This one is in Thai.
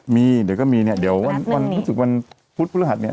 มีเดี๋ยวก็มีเนี้ยเดี๋ยววันวันรู้สึกวันภูตรภูตรรหัสเนี้ย